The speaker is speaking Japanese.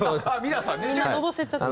みんなのぼせちゃってる。